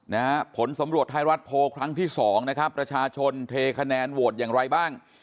นะฮะผลสำรวจไทยรัฐโพลครั้งที่สองนะครับประชาชนเทคะแนนโหวตอย่างไรบ้าง